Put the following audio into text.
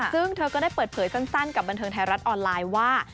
ซึ่งเธอก็ได้เปิดเผยสั้นกับบันเทิงไทยรัฐออนไลน์ว่า